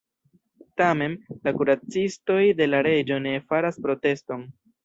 Tamen, la kuracistoj de la reĝo ne faras proteston.